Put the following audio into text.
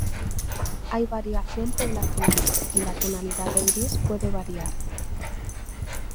Hay variación poblacional, y la tonalidad de gris puede variar.